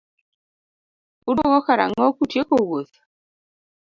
Uduogo karang'o kutieko wuoth?